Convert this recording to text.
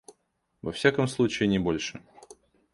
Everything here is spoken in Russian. Во всяком случае, не больше.